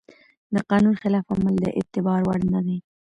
د قانون خلاف عمل د اعتبار وړ نه دی.